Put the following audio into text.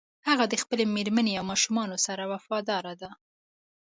هغه د خپلې مېرمنې او ماشومانو سره وفاداره ده